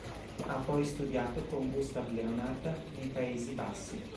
Ha poi studiato con Gustav Leonhardt nei Paesi Bassi.